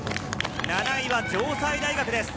７位は城西大学。